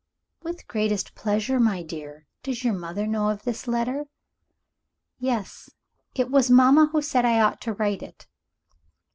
"With the greatest pleasure, my dear. Does your mother know of this letter?" "Yes; it was mamma who said I ought to write it.